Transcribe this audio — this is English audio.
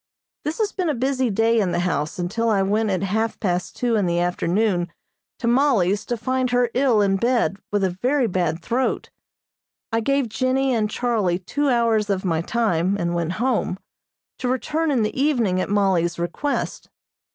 This has been a busy day in the house until I went at half past two in the afternoon to Mollie's to find her ill in bed with a very bad throat. I gave Jennie and Charlie two hours of my time, and went home, to return in the evening at Mollie's request.